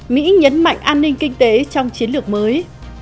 mỹ nhấn mạnh an ninh kinh tế trong chiến lược mới